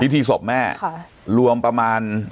พิธีศพแม่รวมประมาณ